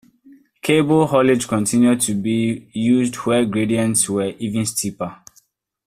Cable haulage continued to be used where gradients were even steeper.